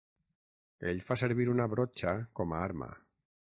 Ell fa servir una brotxa com a arma.